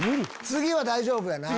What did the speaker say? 次は大丈夫やな？